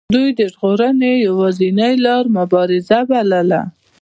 دوی د ژغورنې یوازینۍ لار مبارزه بلله.